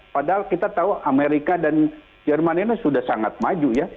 padahal kita tahu amerika dan jerman ini sudah sangat maju ya